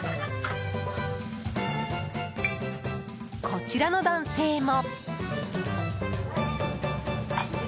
こちらの男性も。